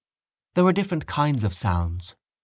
There were different kinds of sounds.